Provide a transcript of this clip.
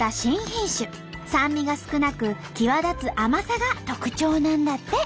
酸味が少なく際立つ甘さが特徴なんだって！